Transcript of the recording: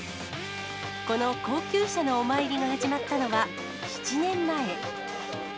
この高級車のお参りが始まったのは７年前。